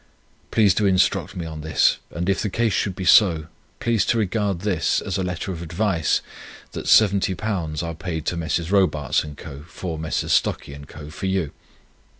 Please to instruct me on this; and if the case should be so, please to regard this as a letter of advice that £70 are paid to Messrs. Robarts and Co., for Messrs. Stuckey and Co., for you.